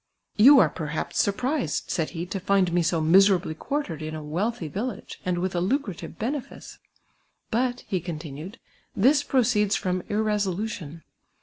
'' You are p(>rhaps sun)rised," Kiid he, " to find me so miserably ([uartered in a wealtliy villain', and witli a lucrative benetice ; but," he continued, "this proceeds I'rom irresolu tion.